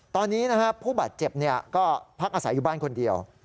ตอนนี้ผู้บาดเจ็บก็พักอาศัยอยู่บ้านคนเดียว